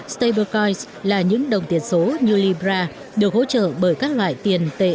stablecoin là những đồng tiền số như libra được hỗ trợ bởi các loại tiền tệ